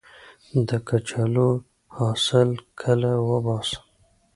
د کچالو حاصل کله وباسم؟